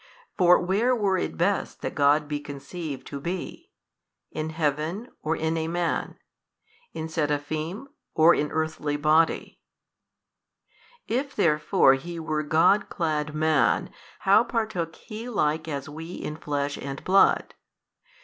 for where were it best that God be conceived to be? in heaven or in a man? in Seraphim or in earthly body? If therefore He were God clad man, how partook He like as we in flesh and blood?